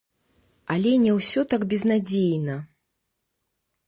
Але не ўсё так безнадзейна.